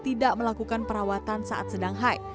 tidak melakukan perawatan saat sedang high